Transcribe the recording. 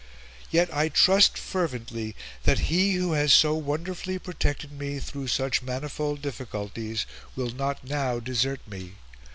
Yet I trust fervently that He who has so wonderfully protected me through such manifold difficulties will not now desert me!